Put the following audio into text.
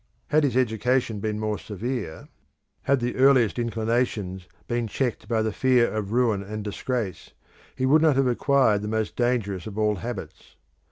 Had his education been more severe: had the earliest inclinations been checked by the fear of ruin and disgrace, he would not have acquired the most dangerous of all habits.